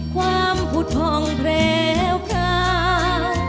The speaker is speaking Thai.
ความพุทธพร้องแพลวพร้าว